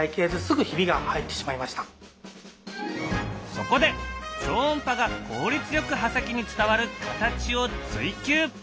そこで超音波が効率よく刃先に伝わる形を追求。